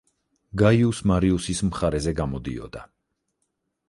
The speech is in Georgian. გაიუს მარიუსის მხარეზე გამოდიოდა.